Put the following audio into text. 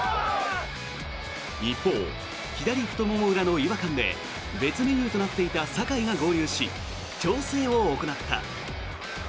一方、左太もも裏の違和感で別メニューとなっていた酒井が合流し、調整を行った。